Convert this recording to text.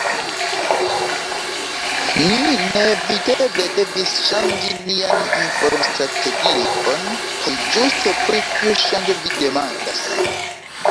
Ni neeviteble devis ŝanĝi nian informstrategion, kaj ĝuste pri tiu ŝanĝo vi demandas.